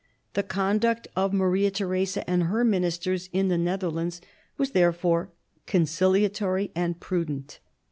The conduct of Maria Theresa and her ministers in the Netherlands was therefore conciliatory and prudent.